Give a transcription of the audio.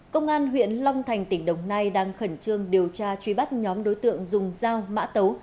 công an huyện long thành tỉnh đồng nai đang khẩn trương điều tra truy bắt nhóm đối tượng dùng dao mã tấu